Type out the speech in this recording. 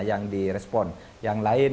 yang di respon yang lain